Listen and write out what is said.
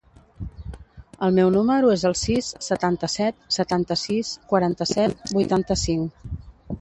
El meu número es el sis, setanta-set, setanta-sis, quaranta-set, vuitanta-cinc.